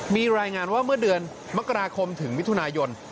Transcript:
มีรายงานว่าเมื่อเดือนมกราคมถึงมิถุนายน